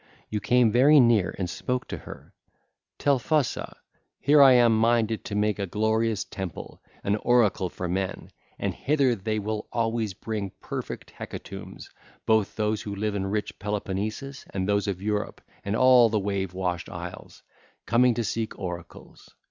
You came very near and spoke to her: 'Telphusa, here I am minded to make a glorious temple, an oracle for men, and hither they will always bring perfect hecatombs, both those who live in rich Peloponnesus and those of Europe and all the wave washed isles, coming to seek oracles.